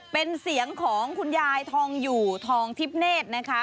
เป็นเสียงของคุณยายทองอยู่ทองทิพย์เนธนะคะ